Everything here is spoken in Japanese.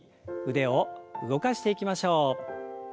腕を動かしていきましょう。